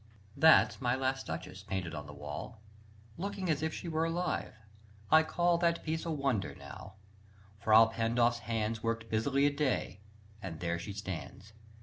That's my last Duchess painted on the wall, Looking as if she were alive; I call That piece a wonder, now: Frà Pandolf's hands Worked busily a day, and there she stands.